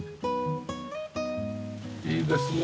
いいですね。